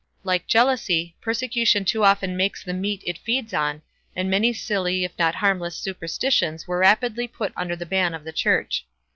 Like jealousy, persecution too often makes the meat it feeds on, and many silly, if not harmless, superstitions were rapidly put under the ban of the Church.